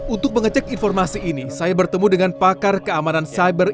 untuk mengecek informasi ini saya bertemu dengan pakar keamanan cyber